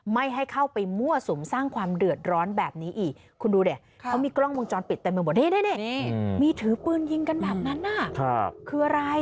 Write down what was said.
ไม่ให้เข้าไปมั่วสุมสร้างความเดือดร้อนแบบนี้อีกนี่มีทื้อปืนยิงกันแบบนั้นอ่ะ